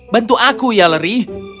bantu aku yalery